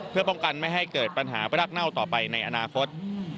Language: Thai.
เพื่อป้องกันไม่ให้เกิดปัญหาประนักเน่าต่อไปในอนาคต